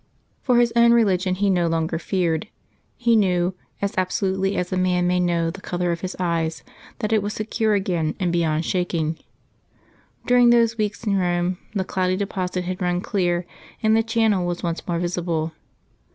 For his own religion he no longer feared; he knew, as absolutely as a man may know the colour of his eyes, that it was secure again and beyond shaking. During those weeks in Rome the cloudy deposit had run clear and the channel was once more visible.